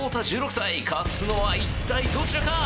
勝つのは一体どちらか？